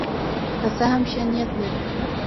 که څه هم ښه نیت لري.